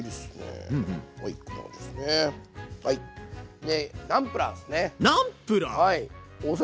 でナムプラーですね。